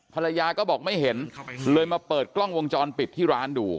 ภรรยาก็บอกไม่เห็นเลยมาเปิดกล้องวงจรปิดที่ร้านดู